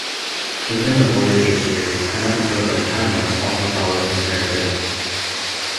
Within the "Voyager" series an episode like "Timeless" also follows this narrative.